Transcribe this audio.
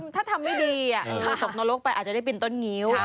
ถ้าทำไม่ดีพอตกนรกไปอาจจะได้บินต้นงิ้ว